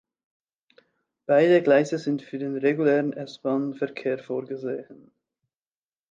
Beide Gleise sind für den regulären S-Bahn-Verkehr vorgesehen.